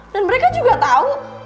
dan mereka juga tau